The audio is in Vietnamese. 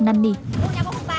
nằm trong nhà cô